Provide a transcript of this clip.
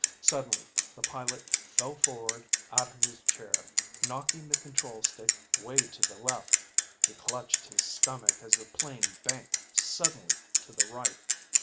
Suddenly the pilot fell forward out of his chair, knocking the control stick way to the left. He clutched his stomach as the plane banked suddenly to the right.